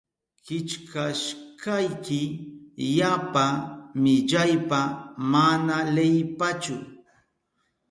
Killkashkayki yapa millaypa mana leyipachu.